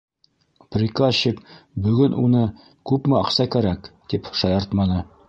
Приказчик бөгөн уны, күпме аҡса кәрәк, тип шаяртманы.